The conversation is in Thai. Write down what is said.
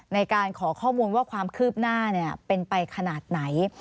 ในการขอข้อมูลว่าความคืบหน้าเป็นไปขนาดไหน